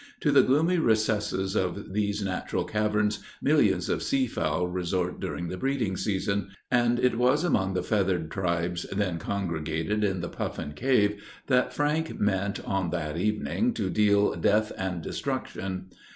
To the gloomy recesses of these natural caverns, millions of sea fowl resort during the breeding season; and it was among the feathered tribes then congregated in the "Puffin Cave," that Frank meant, on that evening, to deal death and destruction.